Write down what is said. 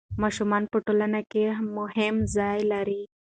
ماشومان په ټولنه کې مهم ځای لري.